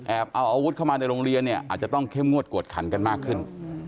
เอาอาวุธเข้ามาในโรงเรียนเนี่ยอาจจะต้องเข้มงวดกวดขันกันมากขึ้น